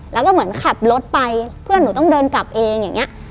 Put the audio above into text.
แล้วก็เหมือนขับรถไปเพื่อนหนูต้องเดินกลับเองอย่างนี้